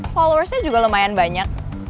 followersnya juga lumayan banyak